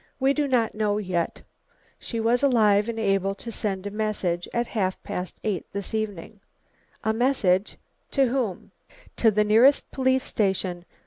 "We do not know yet. She was alive and able to send a message at half past eight this evening." "A message? To whom?" "To the nearest police station."